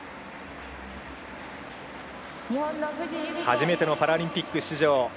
初めてのパラリンピック出場。